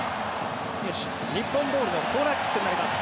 日本ボールのコーナーキックになります。